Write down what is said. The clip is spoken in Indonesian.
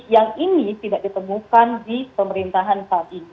yang ini tidak ditemukan di pemerintahan saat ini